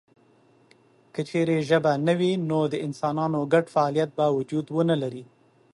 که چېرته ژبه نه وي نو د انسانانو ګډ فعالیت به وجود ونه لري.